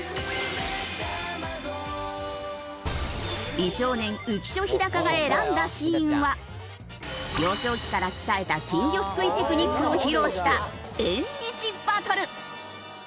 美少年浮所飛貴が選んだシーンは幼少期から鍛えた金魚すくいテクニックを披露した縁日バトル。